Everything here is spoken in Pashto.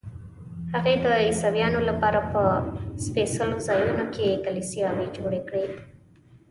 هغې د عیسویانو لپاره په سپېڅلو ځایونو کې کلیساوې جوړې کړې.